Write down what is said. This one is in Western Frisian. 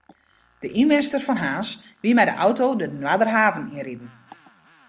De ynwenster fan Harns wie mei de auto de Noarderhaven yn riden.